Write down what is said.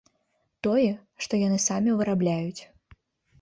Тое, што яны самі вырабляюць.